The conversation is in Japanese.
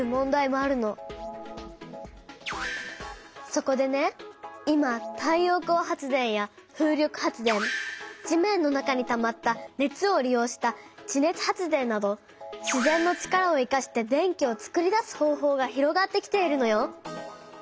そこでね今太陽光発電や風力発電地面の中にたまった熱を利用した地熱発電などしぜんの力を生かして電気をつくり出す方法が広がってきているのよ。